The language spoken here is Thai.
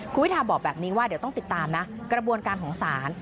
คุณวิทาบอกแบบนี้ว่าเดี๋ยวต้องติดตามนะกระบวนการของศาล